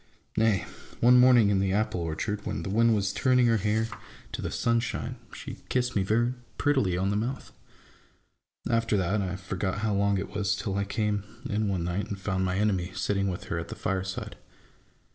Nay! one morning in the apple orchard, when the wind was turning her hair to the 64 A BOOK OF BARGAINS. sunshine, she kissed me very prettily on the mouth. After that, I forget how long it was till I came in one night and found my enemy sitting with her at the fireside.